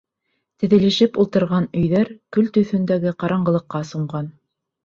Теҙелешеп ултырған өйҙәр көл төҫөндәге ҡараңғылыҡҡа сумған.